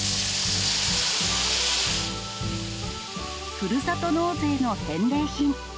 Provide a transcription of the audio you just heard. ふるさと納税の返礼品。